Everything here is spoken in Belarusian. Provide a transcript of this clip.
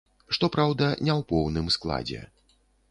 Што праўда, не ў поўным складзе.